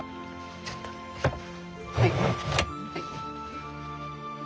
ちょっとはいはい。